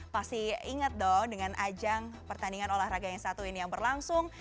pasti inget dong dengan ajang pertandingan olahraga yang satu ini yang berlangsung